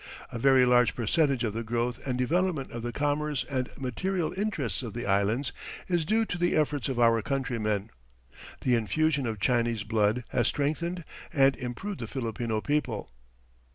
"A very large percentage of the growth and development of the commerce and material interests of the Islands is due to the efforts of our countrymen. "The infusion of Chinese blood has strengthened and improved the Filipino people.